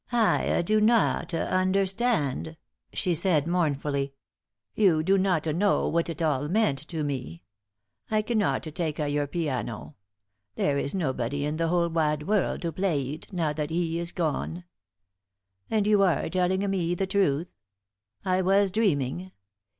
"I do not understand," she said, mournfully. "You do not know whata it all meant to me. I cannot taka your piano. There is nobody in the wide world to playa eet, now that he ees gone. And you are telling me the truth? I was dreaming?